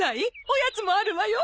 おやつもあるわよ！